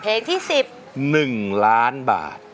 เพลงที่๑๑ล้านบาท